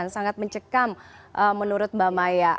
sangat mencekam menurut mbak maya